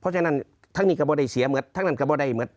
เพราะฉะนั้นทั้งนี้ก็ไม่ได้เสียเหมือนทั้งนั้นก็บ่ได้เหมือน